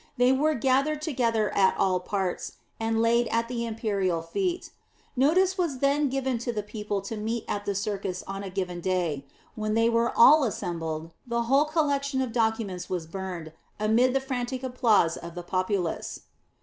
They were gathered together at all parts, and laid at the imperial feet. Notice was then given to the people to meet at the circus on a given day; when they were all assembled, the whole collection of documents was burned, amid the frantic applause of the populace.